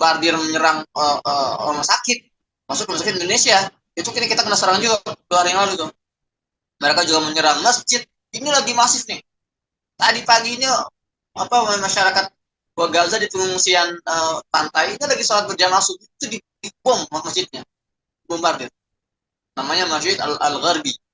bandir menyerang orang sakit indonesia kita juga menyerang masjid ini lagi masih